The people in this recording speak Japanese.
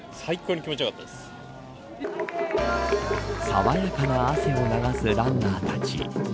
爽やかな汗を流すランナーたち。